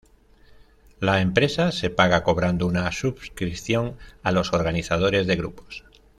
La empresa se paga cobrando una suscripción a los organizadores de grupos.